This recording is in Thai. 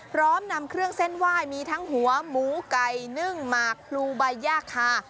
พร้อมนำเครื่องเส้นไหว้มีทั้งหัวหมูไก่นึ่งหมากพลูใบย่าคา